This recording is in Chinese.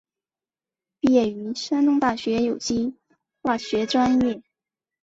毕业于山东大学有机化学专业。